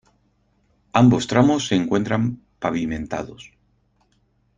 Ambos tramos se encuentran pavimentados.